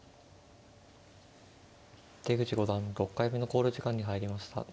出口五段６回目の考慮時間に入りました。